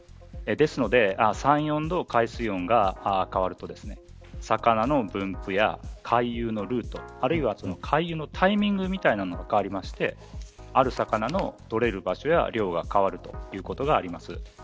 ですので３、４度海水温が変わると魚の分布や回遊のルート回遊のタイミングが変わりましてある魚の取れる場所や量が変わるというのがあります。